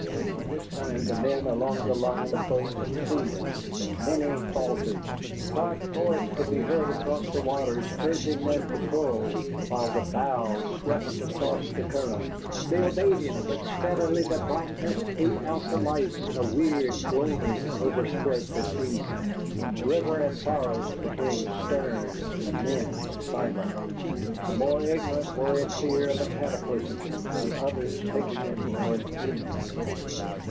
By this time the men all along the line of boats had seen it, and many faltered. Clark's voice could be heard across the waters urging them to pull, while the bows swept across the current. They obeyed him, but steadily the blackness ate out the light, and a weird gloaming overspread the scene. River and forest became stern, the men silent. The more ignorant were in fear of a cataclysm, the others taking it for an omen.